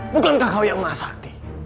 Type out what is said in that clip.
bukankah kau yang emas hati